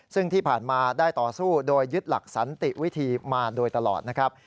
ซึ่งที่ผ่านมาได้ต่อสู้โดยยึดหลักสันติวิธีมาโดยตลอดนะครับ